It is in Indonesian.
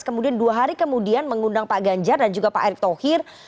kemudian dua hari kemudian mengundang pak ganjar dan juga pak erick thohir